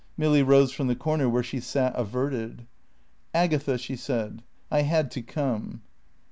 Milly rose from the corner where she sat averted. "Agatha," she said, "I had to come."